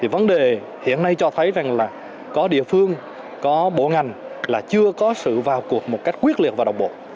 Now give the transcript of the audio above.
vấn đề hiện nay cho thấy rằng là có địa phương có bộ ngành là chưa có sự vào cuộc một cách quyết liệt và đồng bộ